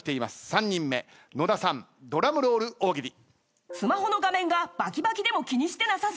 ３人目野田さんドラムロール大喜利。